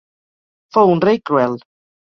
Fou un rei cruel.